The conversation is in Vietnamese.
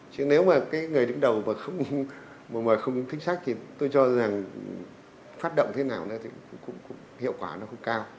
chứ nếu mà cái người đứng đầu mà không thích sách thì tôi cho rằng phát động thế nào nó cũng hiệu quả nó cũng cao